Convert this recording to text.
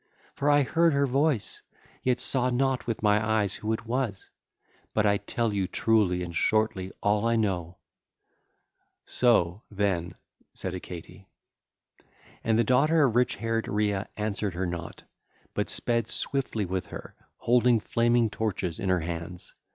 For I heard her voice, yet saw not with my eyes who it was. But I tell you truly and shortly all I know.' (ll. 59 73) So, then, said Hecate. And the daughter of rich haired Rhea answered her not, but sped swiftly with her, holding flaming torches in her hands.